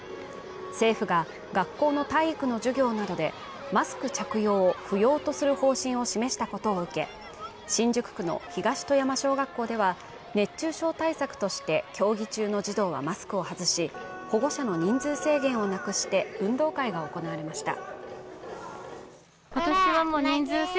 政府が学校の体育の授業などでマスク着用を不要とする方針を示したことを受け、新宿区の東戸山小学校では、熱中症対策として競技中の児童はマスクを外し、保護者の人数制限をなくして運動会が行われました。